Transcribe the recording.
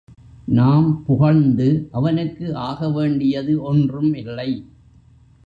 நாம் புகழ்ந்து அவனுக்கு ஆக வேண்டியது ஒன்றும் இல்லை.